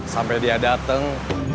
sampai dia dateng